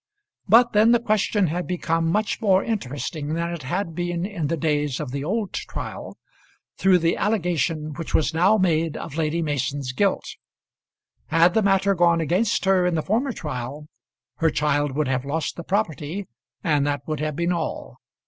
But then the question had become much more interesting than it had been in the days of the old trial, through the allegation which was now made of Lady Mason's guilt. Had the matter gone against her in the former trial, her child would have lost the property, and that would have been all.